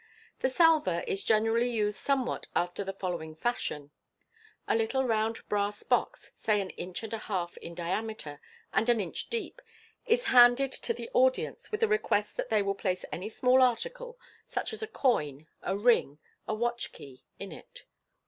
The salver is generally used somewhat after the following fashion :— A little round brass box, say an inch and a half in dia meter and an inch deep, is handed to the audience, with a request that they will place any small article (such as a coin, a ring, a watch key) in it.